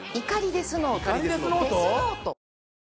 デスノート？